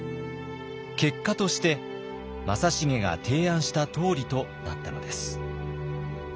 結果として正成が提案したとおりとなったのです。